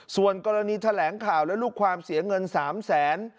ส่วนกรณีแถลงข่าวและลูกความเสียเงิน๓แสน